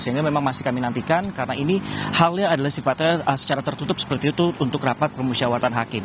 sehingga memang masih kami nantikan karena ini halnya adalah sifatnya secara tertutup seperti itu untuk rapat permusyawaratan hakim